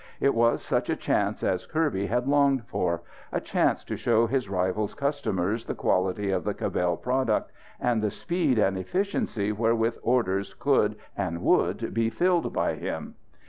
It was such a chance as Kirby had longed for; a chance to show his rivals' customers the quality of the Cabell product and the speed and efficiency wherewith orders could and would be filled by him.